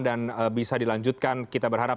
dan bisa dilanjutkan kita berharap